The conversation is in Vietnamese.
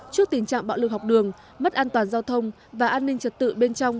trước tình trạng bạo lực học đường mất an toàn giao thông và an ninh trật tự bên trong